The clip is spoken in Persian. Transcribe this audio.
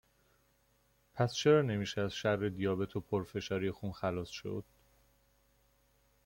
پس چرا نمیشه از شَرّ دیابِت و پُرفشاری خون خلاص شد؟